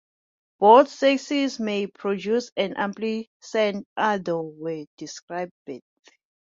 Both sexes may produce an unpleasant odor when disturbed.